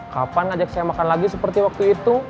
kapan ajak saya makan lagi seperti waktu itu